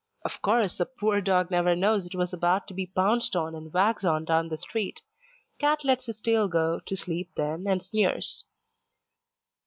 Of course, the poor dog never knows it was about to be pounced on and wags on down the street. Cat lets his tail go to sleep then and sneers.